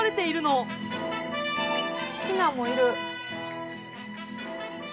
ヒナもいる。